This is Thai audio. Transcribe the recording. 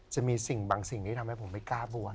จะมีสิ่งบางสิ่งที่ทำให้ผมไม่กล้าบวช